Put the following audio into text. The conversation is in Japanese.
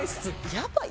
やばい。